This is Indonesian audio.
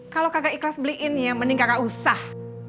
kalau kagak ikhlas beliin ya mending kagak usah